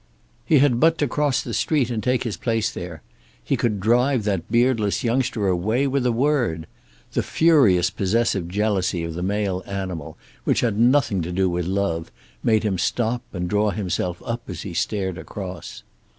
He had but to cross the street and take his place there. He could drive that beardless youngster away with a word. The furious possessive jealousy of the male animal, which had nothing to do with love, made him stop and draw himself up as he stared across.